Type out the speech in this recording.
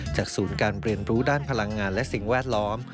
ศูนย์การเรียนรู้ด้านพลังงานและสิ่งแวดล้อม